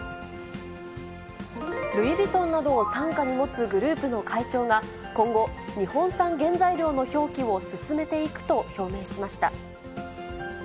ルイ・ヴィトンなどを傘下に持つグループの会長が、今後、日本産原材料の表記を進めていくと表明しました。